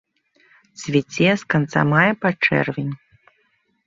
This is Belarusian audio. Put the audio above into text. Цвіце з канца мая па чэрвень.